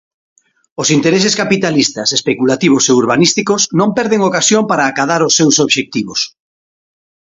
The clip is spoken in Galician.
Os intereses capitalistas, especulativos e urbanísticos non perden ocasión para acadar os seus obxectivos.